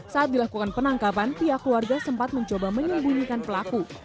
saat dilakukan penangkapan pihak keluarga sempat mencoba menyembunyikan pelaku